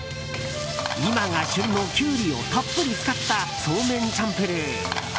今が旬のキュウリをたっぷり使ったそうめんチャンプルー。